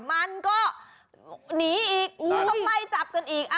มันก็หนีอีกก็ต้องไล่จับกันอีก